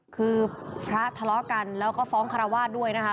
คือพระทะเลาะกันแล้วก็ฟ้องคารวาสด้วยนะคะ